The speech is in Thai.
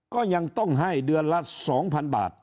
ก็ยังต้องให้เดือนละ๒๐๐๐บาท